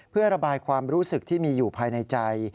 เพื่อระบายความรู้สึกที่มีอยู่ภายในใจ